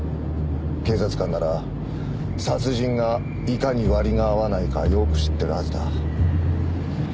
警察官なら殺人がいかに割が合わないかよく知ってるはずだ。という事は。